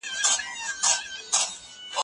احمد شاه حسين د خپل وخت د حالاتو ښه درک درلود.